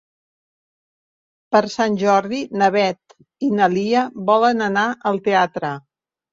Per Sant Jordi na Beth i na Lia volen anar al teatre.